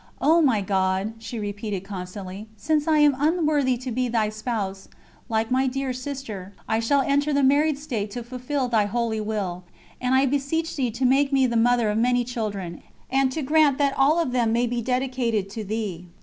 "O my God" she repeated constantly "since I am unworthy to be Thy Spouse, like my dear sister, I shall enter the married state to fulfill Thy Holy Will, and I beseech Thee to make me the mother of many children, and to grant that all of them may be dedicated to Thee."